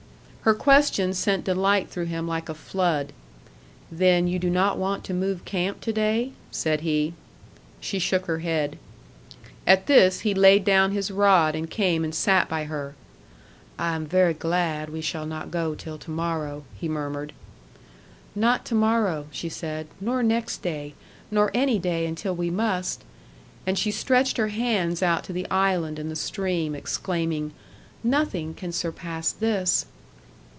Her question sent delight through him like a flood. "Then you do not want to move camp to day?" said he. She shook her head. At this he laid down his rod and came and sat by her. "I am very glad we shall not go till to morrow," he murmured. "Not to morrow," she said. "Nor next day. Nor any day until we must." And she stretched her hands out to the island and the stream exclaiming, "Nothing can surpass this!"